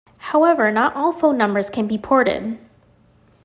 However, not all phone numbers can be ported.